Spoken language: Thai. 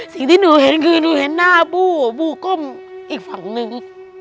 สิ่งที่หนูเห็นคือหนูเห็นหน้าบู้บู้ก้มอีกฝั่งนึง